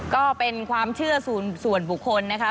ก็เป็นความเชื่อส่วนบุคคลนะคะ